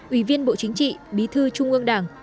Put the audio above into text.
ủy viên bộ chính trị bí thư trung ương đảng